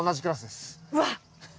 うわっ！